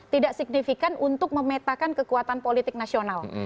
tidak signifikan untuk memetakan kekuatan politik nasional